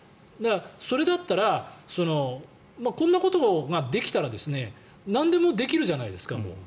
それだったらこんなことができたらなんでもできるじゃないですかと。